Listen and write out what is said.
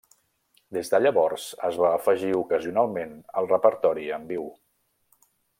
Des de llavors es va afegir ocasionalment al repertori en viu.